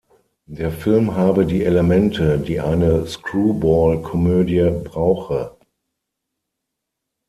Der Film habe die Elemente, die eine Screwball-Komödie brauche.